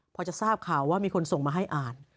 พอจะทราบข่าวว่ามีคนส่งมาให้อ่าน